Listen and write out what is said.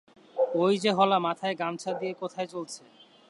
ঐ যে হলা মাথায় গামছা দিয়ে কোথায় চলেছে।